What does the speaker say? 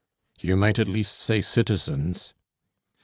"You might at least say 'citizens!'"